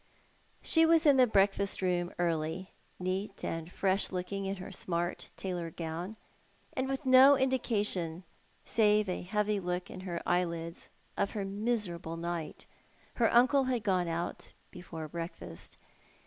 She was in the breakfast room early, neat and fresh looking in her smart tailor gown, and with no indication, saive a heavy look in her eyelids, of her miserable night. Her uncle had gone out before breakfast.